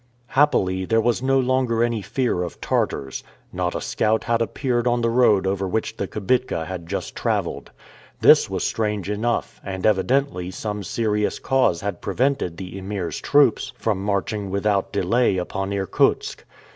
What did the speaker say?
Happily, there was no longer any fear of Tartars. Not a scout had appeared on the road over which the kibitka had just traveled. This was strange enough, and evidently some serious cause had prevented the Emir's troops from marching without delay upon Irkutsk.